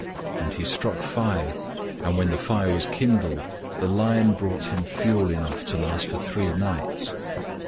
And he struck fire, and when the fire was kindled, the lion brought him fuel enough to last for three nights.